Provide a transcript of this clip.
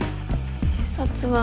警察は。